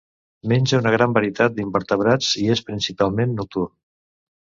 Menja una gran varietat d'invertebrats i és principalment nocturn.